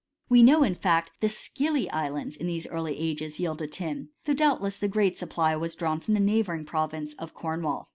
We know that in fact the Scilly islands, in these early ages, yielded tin, though doubtless the great supply was drawn from the neighbouring pro vince of Cornwall.